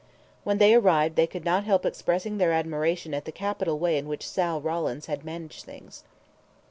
When they arrived they could not help expressing their admiration at the capital way in which Sal Rawlins had managed things.